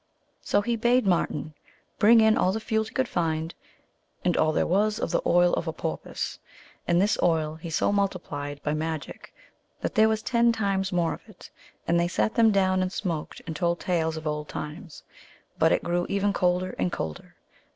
So he bade Marten bring in all the fuel he could find, and all there was of the oil of a porpoise ; and this oil he so multiplied by magic that there was ten times more of it. And they sat them down and smoked, and told tales of old times ; but it grew ever colder and colder.